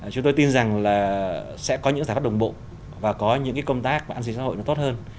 chúng tôi tin rằng là sẽ có những giải pháp đồng bộ và có những cái công tác và an sinh xã hội nó tốt hơn